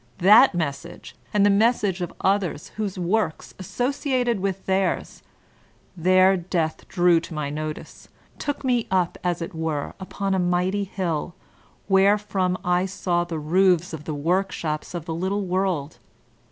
That message, and the message of others, whose works, associated with theirs, their death drew to my notice, took me up, as it were, upon a mighty hill, wherefrom I saw the roofs of the workshops of the little world.